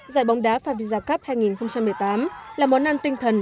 giải bóng đá favisa cup hai nghìn một mươi tám là món ăn tinh thần